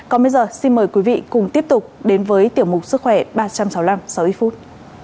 còn bây giờ xin mời quý vị cùng tiếp tục đến với tiểu mục sức khỏe ba trăm sáu mươi năm sáu mươi phút